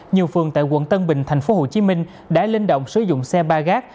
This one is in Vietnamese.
nhiều phường tại quận tân bình thành phố hồ chí minh đã linh động sử dụng xe ba gác